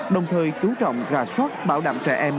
đồng thời chú trọng rà soát bảo đảm trẻ em